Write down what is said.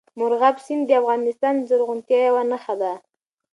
مورغاب سیند د افغانستان د زرغونتیا یوه نښه ده.